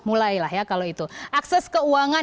mulai lah ya kalau itu akses keuangan